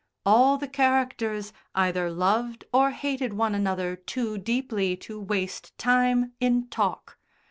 All the characters either loved or hated one another too deeply to waste time in talk.